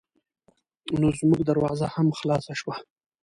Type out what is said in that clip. نو زمونږ دروازه هم خلاصه شوه.